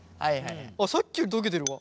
あっさっきより溶けてるわ。